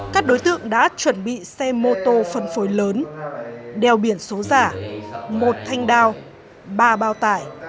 các đối tượng đã chuẩn bị xe mô tô phân phối lớn đeo biển số giả một thanh đao ba bao tải